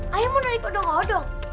hah ayah mau narik odong odong